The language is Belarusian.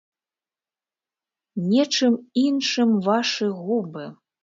Нечым іншым вашы губы!